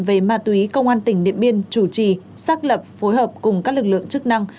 về ma túy công an tỉnh điện biên chủ trì xác lập phối hợp cùng các lực lượng chức năng